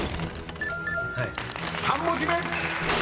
［３文字目］